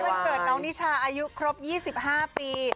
วันเกิดน้องนิชาอายุครบ๒๕ปี